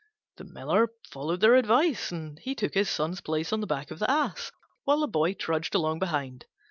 The Miller followed their advice, and took his Son's place on the back of the Ass while the boy trudged along behind.